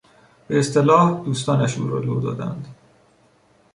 به اصطلاح دوستانش او را لو دادند.